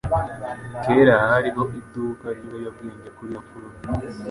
Kera hariho iduka ryibiyobyabwenge kuri iyo mfuruka.